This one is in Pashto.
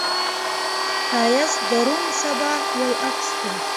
ښایست د روڼ سبا یو عکس دی